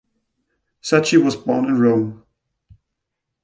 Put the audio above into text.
Sacchi was born in Rome.